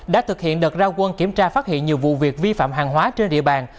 đã thực hiện đợt ra quân kiểm tra phát hiện nhiều vụ việc vi phạm hàng hóa trên địa bàn